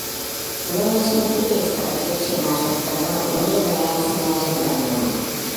Нынешний кризис, поразивший нашу страну, не является неожиданным.